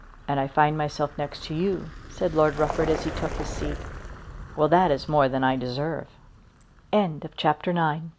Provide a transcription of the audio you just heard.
"And I find myself next to you," said Lord Rufford as he took his seat. "Well; that is more than I deserve." CHAPTER X. HOW THINGS WERE ARRANGED.